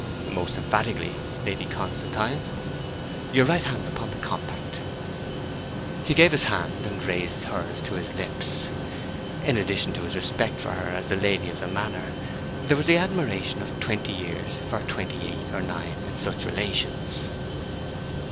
'Most emphatically, Lady Constantine.' 'Your right hand upon the compact.' He gave his hand, and raised hers to his lips. In addition to his respect for her as the lady of the manor, there was the admiration of twenty years for twenty eight or nine in such relations.